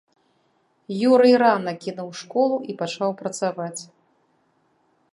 Юрый рана кінуў школу і пачаў працаваць.